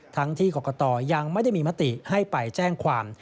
ทั้งที่กรกตยังไม่ได้มีมติให้ไปแจ้งความ